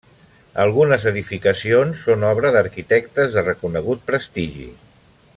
Algunes edificacions són obra d'arquitectes de reconegut prestigi.